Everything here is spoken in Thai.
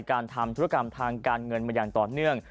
การทำธุรกรรมทางการเงินมาอย่างต่อเนื่อง